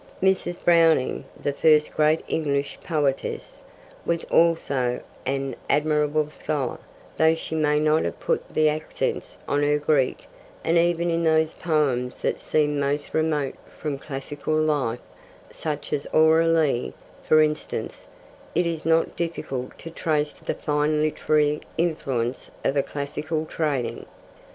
Mrs. Browning, the first great English poetess, was also an admirable scholar, though she may not have put the accents on her Greek, and even in those poems that seem most remote from classical life, such as Aurora Leigh, for instance, it is not difficult to trace the fine literary influence of a classical training.